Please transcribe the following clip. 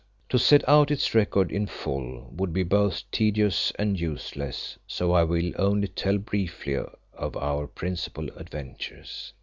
To set out its record in full would be both tedious and useless, so I will only tell briefly of our principal adventures.